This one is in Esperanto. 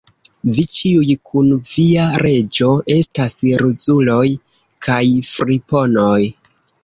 Vi ĉiuj, kun via reĝo, estas ruzuloj kaj friponoj!